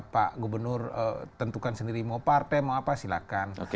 pak gubernur tentukan sendiri mau partai mau apa silahkan